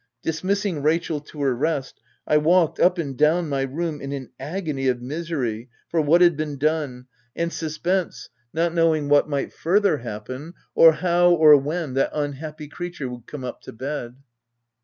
* Dismissing Rachel to her rest, I walked up and down my room, in an agony of misery, for what had been done, and suspense, not 240 THE TENANT knowing what might further happen or how or when that unhappy creature would come up to bed.